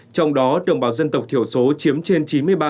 trong đó đồng bào dân tộc thiểu số chiếm trên chín mươi ba